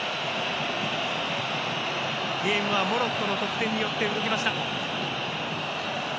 ゲームはモロッコの得点によって動きました。